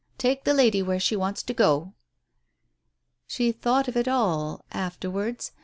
Take the lady where she wants to go." She thought of it all — afterwards